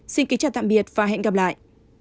xin kính chào tạm biệt và hẹn gặp lại